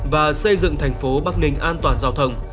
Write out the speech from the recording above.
và xây dựng thành phố bắc ninh an toàn giao thông